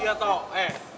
iya toh eh